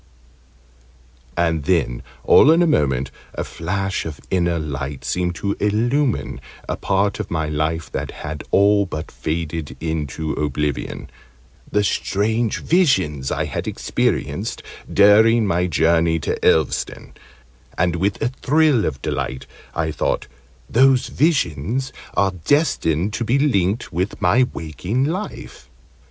And then, all in a moment, a flash of inner light seemed to illumine a part of my life that had all but faded into oblivion the strange visions I had experienced during my journey to Elveston: and with a thrill of delight I thought "Those visions are destined to be linked with my waking life!"